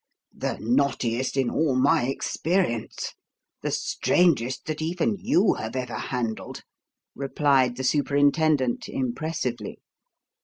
"The knottiest in all my experience, the strangest that even you have ever handled," replied the Superintendent, impressively.